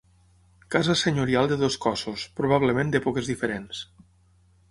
Casa senyorial de dos cossos, probablement d'èpoques diferents.